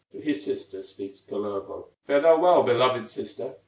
To his sister speaks Kullervo: "Fare thou well, beloved sister!